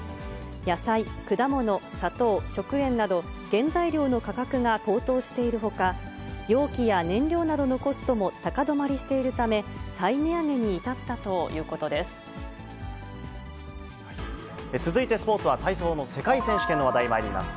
野菜、果物、砂糖、食塩など、原材料の価格が高騰しているほか、容器や燃料などのコストも高止まりしているため、続いてスポーツは体操の世界選手権の話題、まいります。